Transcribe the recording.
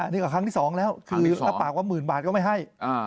นี่ก็ครั้งที่๒แล้วคือรับปากว่าหมื่นบาทก็ไม่ให้